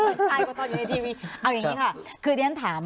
คือเดี๋ยวนะทำเพิ่มเติมไปจากเรื่องทรงผม